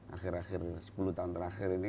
akhir akhir sepuluh tahun terakhir ini